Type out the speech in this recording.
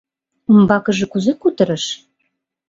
— Умбакыже кузе кутырыш?